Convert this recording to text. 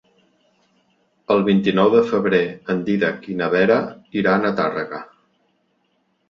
El vint-i-nou de febrer en Dídac i na Vera iran a Tàrrega.